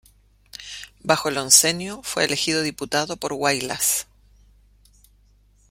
Bajo el Oncenio fue elegido diputado por Huaylas.